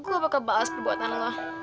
gua bakal balas perbuatan lo